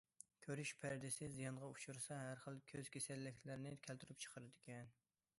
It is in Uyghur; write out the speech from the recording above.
كۆرۈش پەردىسى زىيانغا ئۇچرىسا، ھەر خىل كۆز كېسەللىكلىرىنى كەلتۈرۈپ چىقىرىدىكەن.